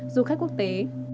du khách quốc tế